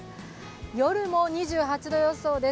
夜も２８度予想です。